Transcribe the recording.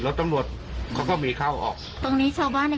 อยู่ในบ้านแล้วตอนนี้